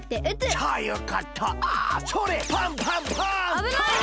あぶない！